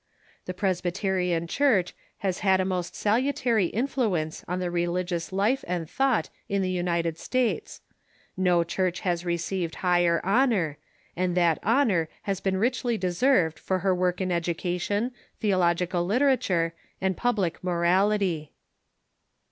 The Presbyterian Church has had a most salutary influence on the religious life and thought of the United States ; no Church has received higher honor, and that honor has been richly deserved for her work in education, theological literature, and public morality.